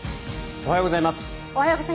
おはようございます。